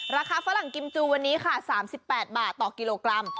ฝรั่งกิมจูวันนี้ค่ะ๓๘บาทต่อกิโลกรัม